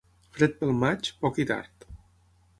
Fred pel maig, poc i tard.